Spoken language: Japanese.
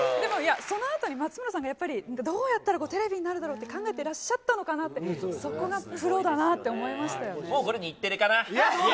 そのあたり、松村さんがやっぱり、どうやったらこれがテレビになるだろうって考えてらっしゃったのかなって、そこがプロだなこれ、日テレかな。